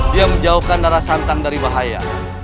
dia menjauhkan darah santang dari bahaya